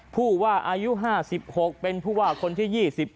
ผู้ว่าอายุ๕๖เป็นผู้ว่าคนที่๒๑